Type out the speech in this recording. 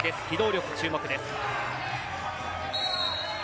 機動力が注目です。